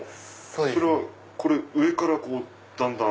それは上からだんだん。